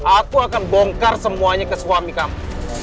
aku akan bongkar semuanya ke suami kamu